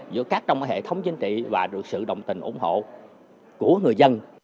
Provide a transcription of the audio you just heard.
giữa các trong hệ thống chính trị và được sự đồng tình ủng hộ của người dân